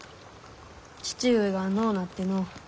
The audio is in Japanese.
父上が亡うなっての。